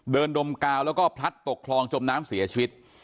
ดมกาวแล้วก็พลัดตกคลองจมน้ำเสียชีวิต